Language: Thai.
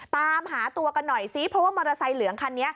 ตามหาตัวกันหน่อยสิเพราะว่ามอเวสไลิหญิงฮานนี้